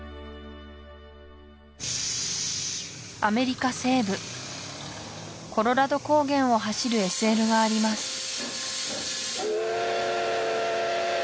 アメリカ西部コロラド高原を走るＳＬがあります